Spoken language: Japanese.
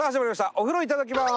「お風呂いただきます」。